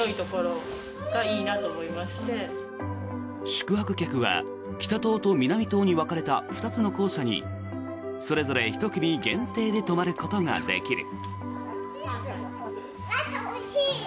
宿泊客は北棟と南棟に分かれた２つの校舎にそれぞれ１組限定で泊まることができる。